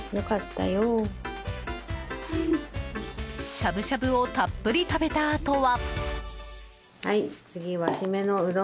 しゃぶしゃぶをたっぷり食べたあとは。